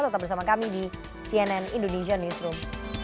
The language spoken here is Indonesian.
tetap bersama kami di cnn indonesia newsroom